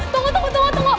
tunggu tunggu tunggu